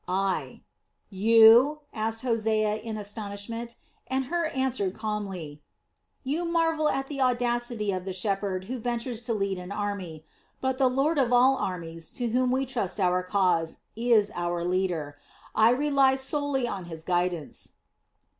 "I." "You?" asked Hosea in astonishment, and Hur answered calmly: "You marvel at the audacity of the shepherd who ventures to lead an army; but the Lord of all armies, to whom we trust our cause, is our leader; I rely solely on His guidance."